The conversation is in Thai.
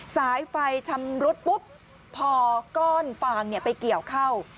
สายไฟชำรุดปุ๊บพอก้อนฟางไปเกี่ยวเข้า